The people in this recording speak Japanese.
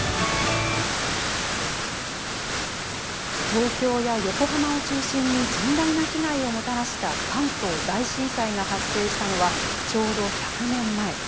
東京や横浜を中心に甚大な被害をもたらした関東大震災が発生したのはちょうど１００年前。